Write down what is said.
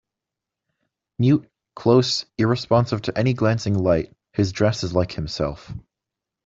Mute, close, irresponsive to any glancing light, his dress is like himself.